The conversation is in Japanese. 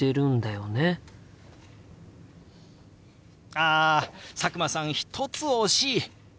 あ佐久間さん１つ惜しい！